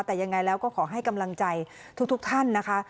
แต่ยังไงแล้วก็ขอให้กำลังใจทุกท่านนะคะ